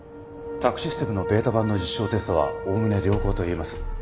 宅・システムのベータ版の実証テストはおおむね良好といえます。